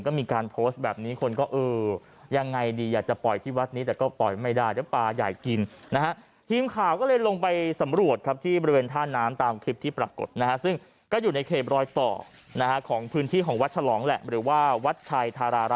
ก็มีการโพสต์แบบนี้คนก็อย่างไรดีอยากจะปล่อยที่วัดนี้